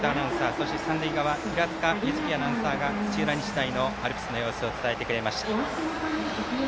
そして、三塁側平塚柚希アナウンサーが土浦日大のアルプスの様子を伝えてくれました。